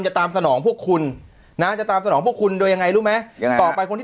จะตามสนองพวกคุณนะจะตามสนองพวกคุณโดยยังไงรู้ไหมยังไงต่อไปคนที่